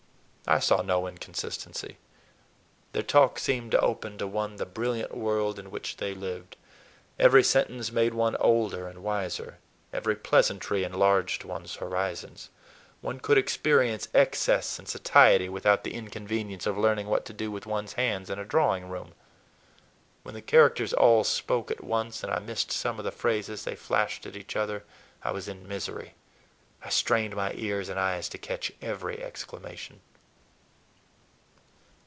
I saw no inconsistency. Their talk seemed to open to one the brilliant world in which they lived; every sentence made one older and wiser, every pleasantry enlarged one's horizon. One could experience excess and satiety without the inconvenience of learning what to do with one's hands in a drawing room! When the characters all spoke at once and I missed some of the phrases they flashed at each other, I was in misery. I strained my ears and eyes to catch every exclamation.